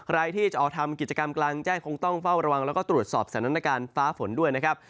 ใครที่จะออกทำกิจกรรมกลางแจ้งคงต้องเฝ้าระวังแล้วก็ตรวจสอบสถานการณ์ฟ้าฝนด้วยนะครับ